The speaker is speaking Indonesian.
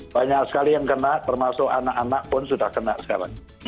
banyak sekali yang kena termasuk anak anak pun sudah kena sekarang